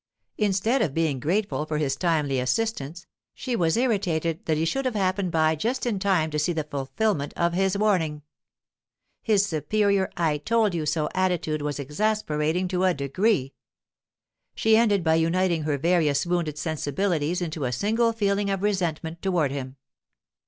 Instead of being grateful for his timely assistance, she was irritated that he should have happened by just in time to see the fulfilment of his warning. His superior 'I told you so!' attitude was exasperating to a degree. She ended by uniting her various wounded sensibilities into a single feeling of resentment toward him.